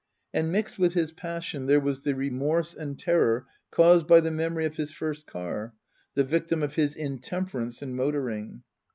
And mixed with his passion there was the remorse and terror caused by the memory of his first car, the victim of his intemperance in motoring.